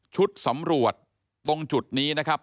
สำรวจตรงจุดนี้นะครับ